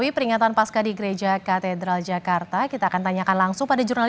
pasca di gereja katedral jakarta jakarta